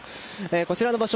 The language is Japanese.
こちらの場所